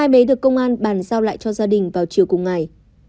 hai bé được công an bàn giao lại cho gia đình vào chiều cùng ngày